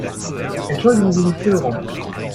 Entschuldigen Sie die Störung!